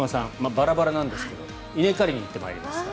バラバラなんですけど稲刈りに行ってまいりました。